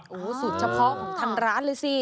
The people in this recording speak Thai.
สุดเฉพาะทันร้านเลยสิ